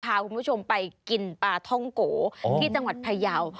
พาคุณผู้ชมไปกินปลาท่องโกที่จังหวัดพยาว